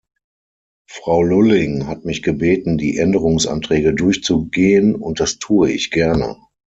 Frau Lulling hat mich gebeten, die Änderungsanträge durchzugehen, und das tue ich gerne.